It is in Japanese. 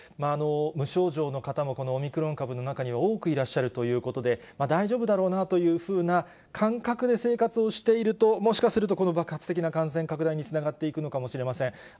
無症状の方もオミクロン株の中には多くいらっしゃるということで、大丈夫だろうなというふうな感覚で生活をしていると、もしかすると、この爆発的な感染拡大につながっていくのかもしれません。